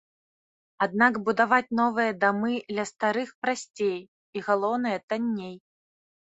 Аднак будаваць новыя дамы ля старых прасцей і, галоўнае, танней.